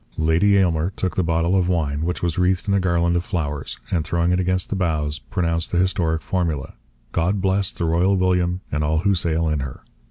Lady Aylmer took the bottle of wine, which was wreathed in a garland of flowers, and, throwing it against the bows, pronounced the historic formula: 'God bless the Royal William and all who sail in her.'